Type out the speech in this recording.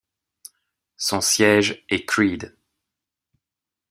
Son siège est Creede.